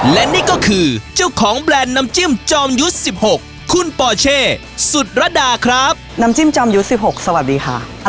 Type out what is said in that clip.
และนี่ก็คือเจ้าของแบรนด์น้ำจิ้มจอมยุทธ์๑๖คุณปอเช่สุดรดาครับน้ำจิ้มจอมยุทธ์๑๖สวัสดีค่ะ